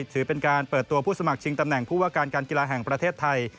ถือเป็นการเปิดตัวผู้สมัครชิงตำแหน่งผู้ว่าการการกีฬาแห่งประเทศไทย